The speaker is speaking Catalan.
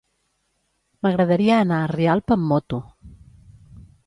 M'agradaria anar a Rialp amb moto.